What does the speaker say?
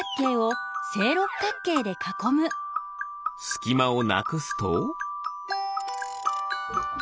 すきまをなくすと。